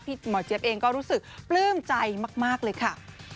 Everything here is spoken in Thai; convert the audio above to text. หมอเจี๊ยบเองก็รู้สึกปลื้มใจมากเลยค่ะ